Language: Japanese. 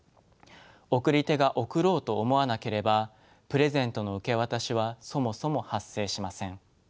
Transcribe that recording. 送り手が贈ろうと思わなければプレゼントの受け渡しはそもそも発生しません。